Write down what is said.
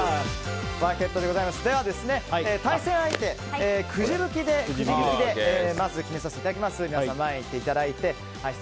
では、対戦相手をくじ引きで決めさせていただきます。